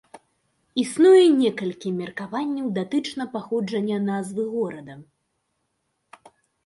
Існуе некалькі меркаванняў датычна паходжання назвы горада.